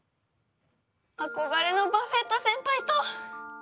憧れのバフェット先輩と！